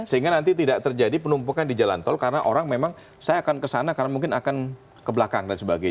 sehingga nanti tidak terjadi penumpukan di jalan tol karena orang memang saya akan kesana karena mungkin akan ke belakang dan sebagainya